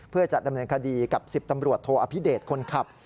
เพื่อจะดำเนินคดีกับ๑๐ตำรวจโทอภิเดชคนขับ